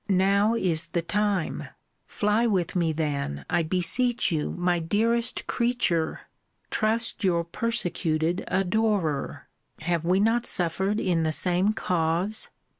Now is the time Fly with me, then, I beseech you, my dearest creature! Trust your persecuted adorer. Have we not suffered in the same cause?